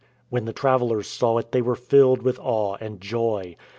When the travelers saw it they were filled with awe and joy.